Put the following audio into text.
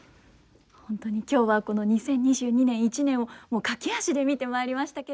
本当に今日はこの２０２２年一年を駆け足で見てまいりましたけれども。